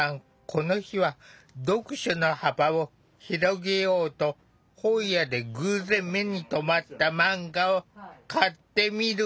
この日は読書の幅を広げようと本屋で偶然目に留まったマンガを買ってみることに。